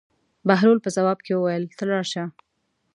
بهلول په ځواب کې وویل: ته لاړ شه.